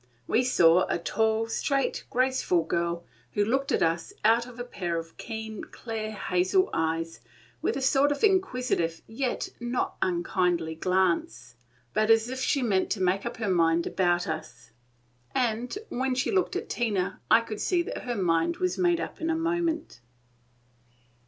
We saw a tall, straight, graceful girl, who looked at us out of a pair of keen, clear, hazel eyes, with a sort of inquisitive yet not unkindly glance, but as if she meant to make up her mind about us; and when she looked at Tina I could see that her mind was made up in a moment.